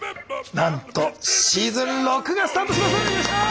なんとシーズン六がスタートします！